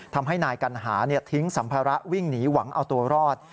ทำให้นายกัณหาทิ้งสัมภาระวิ่งหนีหวังเอาตัวรอด